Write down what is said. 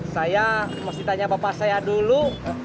saya mau ditanya bapak saya dulu